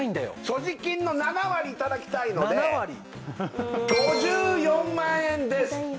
所持金の７割いただきたいので５４万円です